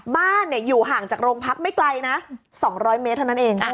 บ้านอยู่ห่างจากโรงพักไม่ไกลนะ๒๐๐เมตรเท่านั้นเอง